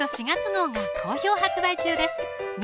４月号が好評発売中です